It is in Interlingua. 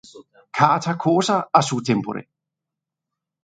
Cata cosa a su tempore.